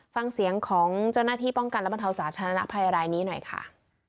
ฟังเสียงของเจ้าหน้าที่ป้องกันและบรรเทาสาธารณภัยรายนี้หน่อยค่ะ